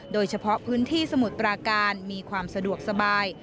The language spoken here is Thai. โดยเฉพาะพื้นที่สมุทรปราการมีความสะดวกสบาย